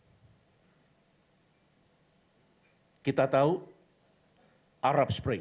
dan saya mengatakan rasanya blurred